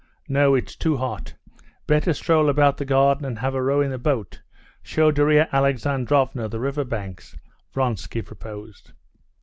"No, it's too hot; better stroll about the garden and have a row in the boat, show Darya Alexandrovna the river banks." Vronsky proposed.